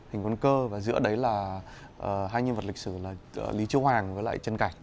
hình con cơ và giữa đấy là hai nhân vật lịch sử là lý châu hoàng với lại trân cạch